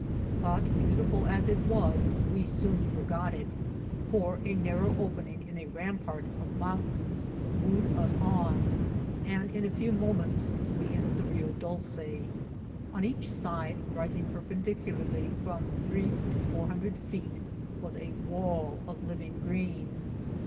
But, beautiful as it was, we soon forgot it ; for a narrow opening in a rampart of mountains wooed us on, and in a few moments we entered the Rio Dolce. On each side, rising perpendicularly from three to four hundred feet, was a wall of living green.